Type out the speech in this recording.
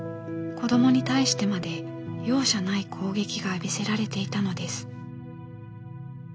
子どもに対してまで容赦ない攻撃が浴びせられていたのです。